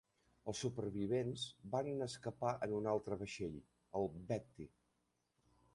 Els supervivents van escapar en un altre vaixell, el "Betty".